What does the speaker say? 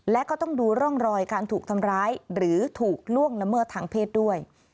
และก็ต้องดูร่องรอยการถูกทำร้ายหรือถูกล่วงละเมิดทางเพศด้วย